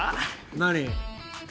何？